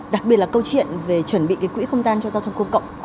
đặc biệt là câu chuyện về chuẩn bị cái quỹ không gian cho giao thông công cộng